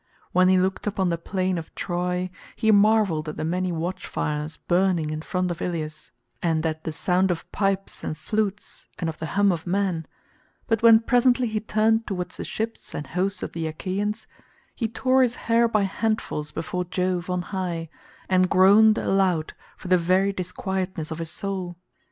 When he looked upon the plain of Troy he marvelled at the many watchfires burning in front of Ilius, and at the sound of pipes and flutes and of the hum of men, but when presently he turned towards the ships and hosts of the Achaeans, he tore his hair by handfuls before Jove on high, and groaned aloud for the very disquietness of his soul.